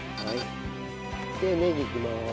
でネギいきます。